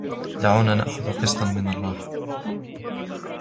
دعونا نأخذ قسطاً من الراحة.